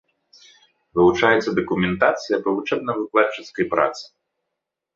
Вывучаецца дакументацыя па вучэбна-выкладчыцкай працы.